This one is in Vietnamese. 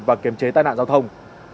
và kiểm chế tai nạn giao thông